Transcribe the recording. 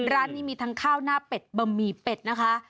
ร้านนี้มีทั้งข้าวหน้าเป็ดบะหมี่เป็ดนะคะ